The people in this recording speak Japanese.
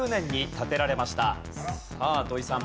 さあ土居さん